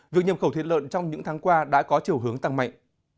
việc nhập khẩu thịt lợn trong những tháng qua đã có chiều hướng tăng mạnh